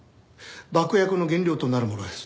爆薬の原料となるものです。